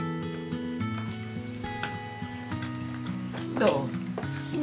どう？